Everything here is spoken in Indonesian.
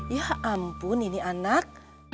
ya ampun ini anak